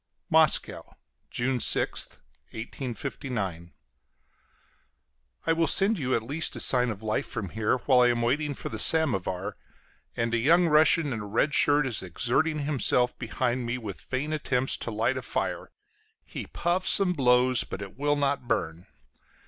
Moscow, June 6th, 1859. I will send you at least a sign of life from here, while I am waiting for the samovar; and a young Russian in a red shirt is exerting himself behind me with vain attempts to light a fire he puffs and blows, but it will not burn.